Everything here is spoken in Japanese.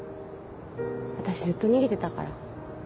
私ずっと逃げてたから。